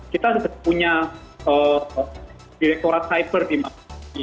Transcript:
kita sudah punya direkturat cyber di mapi